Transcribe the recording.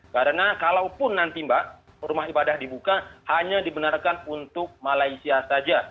karena kalau pun nanti mbak rumah ibadah dibuka hanya dibenarkan untuk malaysia saja